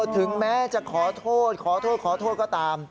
ถึงแม้จะขอโทษขอโทษก็ตาม